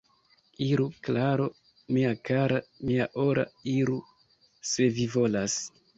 Iru, Klaro, mia kara, mia ora, iru, se vi volas.